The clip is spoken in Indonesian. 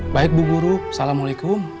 baik bu guru assalamualaikum